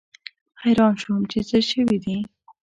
حیران شوم چې څه شوي دي.